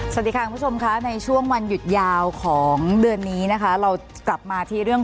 สวัสดีค่ะคุณผู้ชมค่ะในช่วงวันหยุดยาวของเดือนนี้นะคะเรากลับมาที่เรื่อง